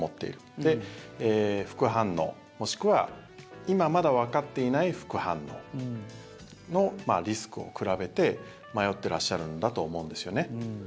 で、副反応、もしくは今まだわかっていない副反応のリスクを比べて迷っていらっしゃるんだと思うんですよね。